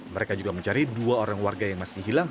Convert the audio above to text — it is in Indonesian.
mereka juga mencari dua orang warga yang masih hilang